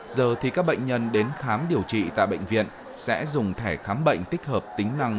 giờ thì các bệnh nhân đến khám điều trị tại bệnh viện sẽ dùng thẻ khám bệnh tích hợp tính năng